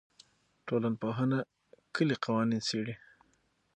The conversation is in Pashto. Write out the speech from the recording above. ټولنپوهنه کلي قوانین څېړي.